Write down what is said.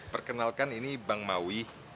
perkenalkan ini bang maui